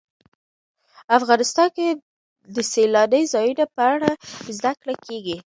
افغانستان کې د سیلانی ځایونه په اړه زده کړه کېږي.